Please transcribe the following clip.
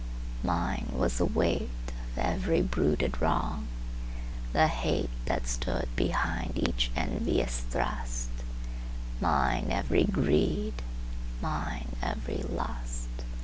Mine was the weightOf every brooded wrong, the hateThat stood behind each envious thrust, Mine every greed, mine every lust.